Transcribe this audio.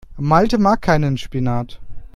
Malte mag keinen Spinat.